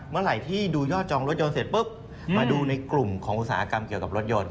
เมื่อไหร่ที่ดูยอดจองรถยนต์เสร็จปุ๊บมาดูในกลุ่มของอุตสาหกรรมเกี่ยวกับรถยนต์